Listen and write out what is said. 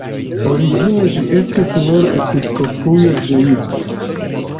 Origine ĝi estis nur episkopujo Zeitz.